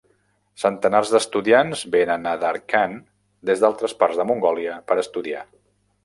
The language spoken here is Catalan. Centenars d'estudiants venen a Darkhan des d'altres parts de Mongòlia per estudiar.